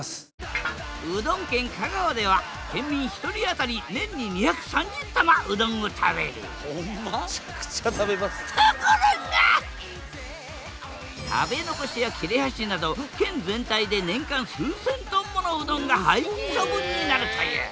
うどん県香川では県民１人当たり年に２３０玉うどんを食べる食べ残しや切れはしなど県全体で年間数千トンものうどんが廃棄処分になるという。